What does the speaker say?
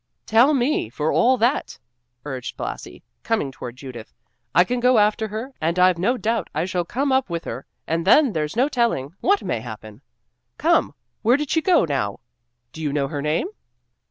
"Tell me, for all that," urged Blasi, coming toward Judith, "I can go after her, and I've no doubt I shall come up with her, and then there's no telling what may happen. Come, where did she go, now? Do you know her name?"